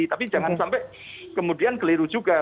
tapi jangan sampai kemudian keliru juga